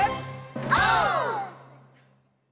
オー！